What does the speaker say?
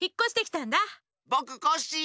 ぼくコッシー。